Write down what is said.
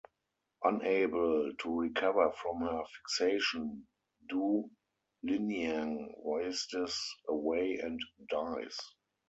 Unable to recover from her fixation, Du Liniang wastes away and dies.